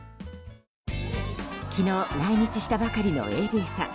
昨日来日したばかりのエディさん。